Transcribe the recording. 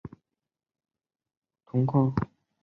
缅甸莱比塘铜矿。